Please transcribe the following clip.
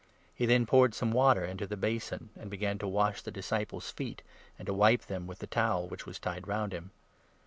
He 5 then poured some water into the basin, and began to wash the disciples' feet, and to wipe them with the towel which was tied round him.